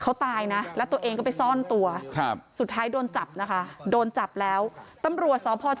เขาตายนะแล้วตัวเองก็ไปซ่อนตัวครับสุดท้ายโดนจับนะคะโดนจับแล้วตำรวจสพ